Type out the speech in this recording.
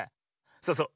そうそう。